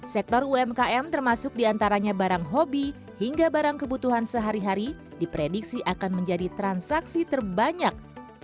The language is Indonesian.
sektor umkm termasuk diantaranya barang hobi hingga barang kebutuhan sehari hari diprediksi akan menjadi transaksi terbanyak